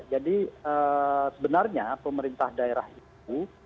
jadi sebenarnya pemerintah daerah itu